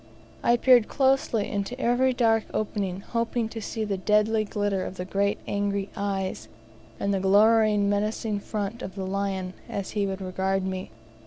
I peered closely into every dark opening, hoping to see the deadly glitter of the great angry eyes, and the glowering menacing front of the lion as he would regard me.